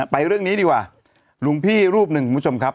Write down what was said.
เรื่องนี้ดีกว่าหลวงพี่รูปหนึ่งคุณผู้ชมครับ